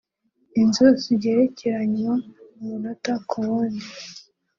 inzu zigerekeranywa umunota ku wundi